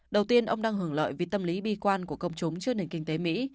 đầu tiên ông đang hưởng lợi vì tâm lý bi quan của công chúng trước nền kinh tế mỹ